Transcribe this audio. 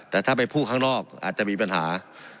แต่ถ้าไปพูดข้างนอกอาจจะมีปัญหา